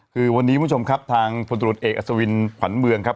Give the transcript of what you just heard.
คือวันนี้คุณผู้ชมครับทางพลตรวจเอกอัศวินขวัญเมืองครับ